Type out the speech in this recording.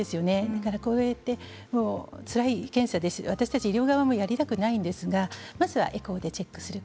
だからこうやってつらい検査で、私たち医療側もやりたくないんですがまずはエコーでチェックする。